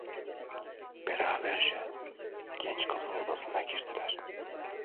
Beraberce genç kızın odasına girdiler.